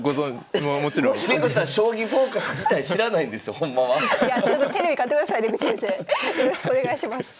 よろしくお願いします。